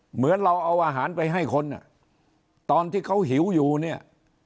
เหมือนเราเอาอาหารไปให้คนอ่ะตอนที่เขาหิวอยู่เนี่ย